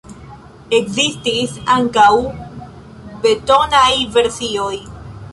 Ekzistis ankaŭ betonaj versioj.